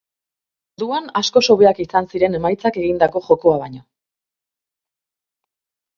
Orduan askoz hobeak izan ziren emaitzak egindako jokoa baino.